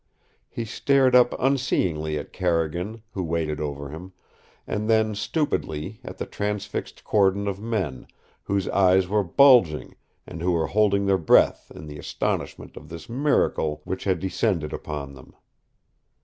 He stared up unseeingly at Carrigan, who waited over him, and then stupidly at the transfixed cordon of men, whose eyes were bulging and who were holding their breath in the astonishment of this miracle which had descended upon them.